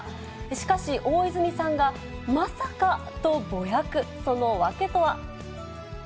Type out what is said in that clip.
しかし大泉さんが、まさかとぼやく、その訳とは。